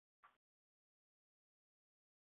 全线两线双向行车。